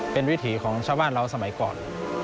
เป็นวิถีของชาวบ้านเราสมัยก่อน